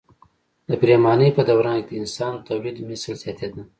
د پریمانۍ په دوران کې د انسان تولیدمثل زیاتېده.